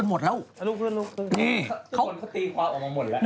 นี่เจ้าคนเขาตีความออกมาหมดแล้ว